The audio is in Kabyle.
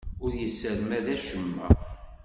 Ur yessermed acemma.